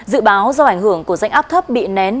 dự báo do ảnh hưởng của rãnh áp thấp bị nén